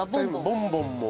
ボンボンも。